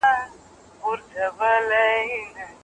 تاريخ بايد له سياسي زاويې ونه کتل سي.